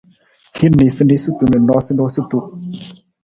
Hin niisaniisatu na noosunoosutu.